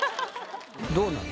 どうなの？